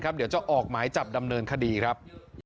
ในจับดำเนินคดีครับ